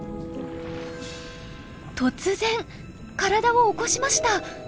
突然体を起こしました。